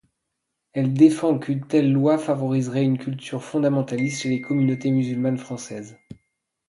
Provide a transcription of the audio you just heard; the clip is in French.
Elle défend qu'une telle loi favoriserait une culture fondamentaliste chez les communautés musulmanes françaises.